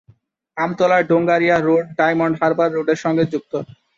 Amtala-Dongaria road Diamond Harbour রোডের সঙ্গে যুক্ত।